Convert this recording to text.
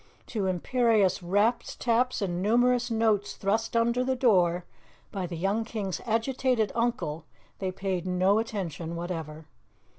To imperious raps, taps and numerous notes thrust under the door by the young King's agitated uncle, they paid no attention whatever.